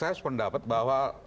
saya sependapat bahwa